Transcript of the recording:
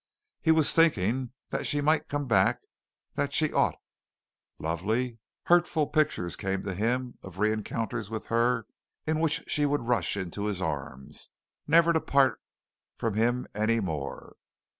He was thinking that she might come back, that she ought. Lovely, hurtful pictures came to him of re encounters with her in which she would rush into his arms, never to part, from him any more.